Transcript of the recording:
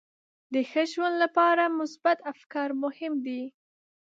د ښه ژوند لپاره مثبت افکار مهم دي.